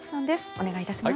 お願いいたします。